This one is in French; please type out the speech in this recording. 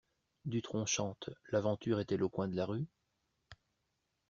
Dutronc chante: L’aventure est-elle au coin de la rue?